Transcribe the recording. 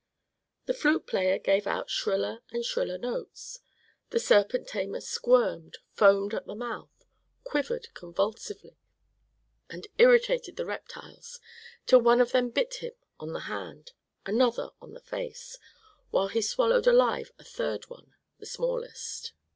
The flute player gave out shriller and shriller notes; the serpent tamer squirmed, foamed at the mouth, quivered convulsively, and irritated the reptiles till one of them bit him on the hand, another on the face, while he swallowed alive a third one, the smallest.